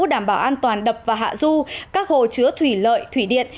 đảm bảo an toàn đập và hạ du các hồ chứa thủy lợi thủy điện